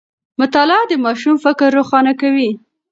مطالعه د ماشوم فکر روښانه کوي.